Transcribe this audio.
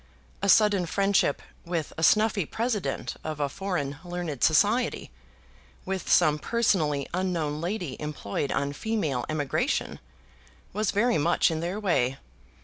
A sudden friendship, with a snuffy president of a foreign learned society, with some personally unknown lady employed on female emigration, was very much in their way.